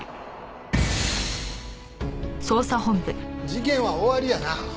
事件は終わりやな。